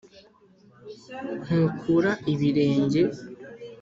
ntukura ibirenge,